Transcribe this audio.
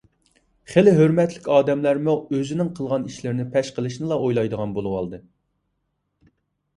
خېلى ھۆرمەتلىك ئادەملەرمۇ ئۆزىنىڭ قىلغان ئىشلىرىنى پەش قىلىشنىلا ئويلايدىغان بولۇۋالدى.